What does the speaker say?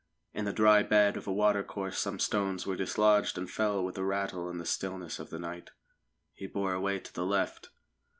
In the dry bed of a watercourse some stones were dislodged and fell with a rattle in the stillness of the night; he bore away to the left.